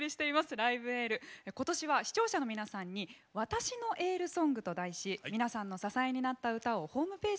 「ライブ・エール」ことしは視聴者の皆さんに「わたしのエールソング」と題し皆さんの支えになった歌をホームページで募集いたしました。